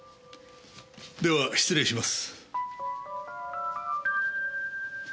では失礼します。